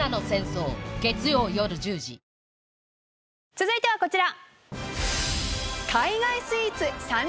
続いてはこちら。